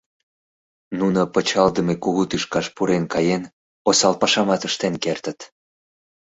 Нуно пычалдыме кугу тӱшкаш пурен каен, осал пашамат ыштен кертыт.